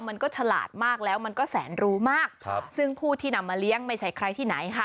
ฉลาดมากแล้วมันก็แสนรู้มากครับซึ่งผู้ที่นำมาเลี้ยงไม่ใช่ใครที่ไหนค่ะ